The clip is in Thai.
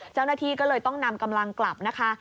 เจ้าหน้าที่ก็เลยต้องนำกำลังกลับนะคะ